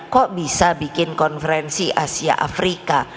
kok bisa bikin konferensi asia afrika